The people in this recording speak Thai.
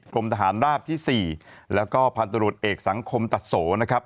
กรมทหารราบที่๔แล้วก็พันตรวจเอกสังคมตัดโสนะครับ